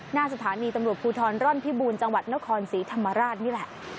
หน้าสถานีตำรวจภูทรร่อนพิบูรณ์จังหวัดนครศรีธรรมราชนี่แหละ